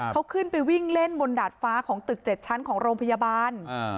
เขาขึ้นไปวิ่งเล่นบนดาดฟ้าของตึก๗ชั้นของโรงพยาบาล